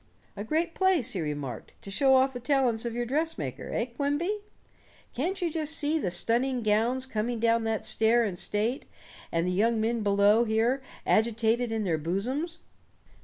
"A great place," he remarked, "to show off the talents of your dressmaker, eh, Quimby? Can't you just see the stunning gowns coming down that stair in state, and the young men below here agitated in their bosoms?"